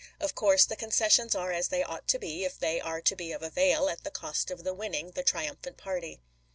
Of course the concessions are as they ought to be, if they are to be of avail, at the cost of the winning, the triumphant party.